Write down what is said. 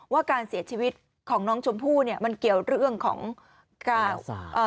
ว่าการเสียชีวิตของน้องชมพู่เนี่ยมันเกี่ยวเรื่องของการเอ่อ